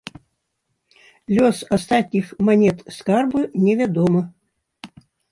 Лёс астатніх манет скарбу невядомы.